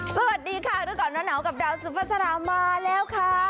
สวัสดีค่ะทุกคนหนาวหนาวกับดาวซุฟะสลามมาแล้วค่ะ